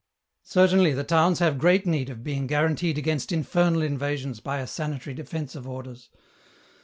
" Certainly the towns have great need of being guaranteed against infernal invasions by a sanitary defence of Orders.